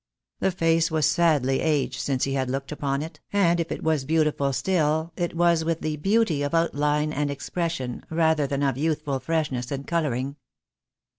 The face was sadly aged since he had looked upon it, and if it was beautiful still it was with the beauty of outline and expression, rather than of youthful freshness and colouring.